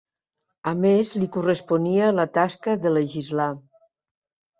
A més li corresponia la tasca de legislar.